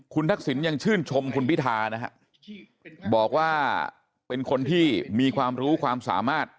คุณทักษิณยังชื่นชมคุณพิธานะฮะบอกว่าเป็นคนที่มีความรู้ความสามารถ